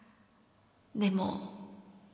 でも